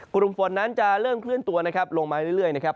กลุ่มฝนนั้นจะเริ่มเคลื่อนตัวนะครับลงมาเรื่อยนะครับ